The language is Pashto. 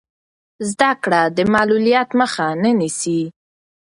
زده کړه د معلولیت مخه نه نیسي.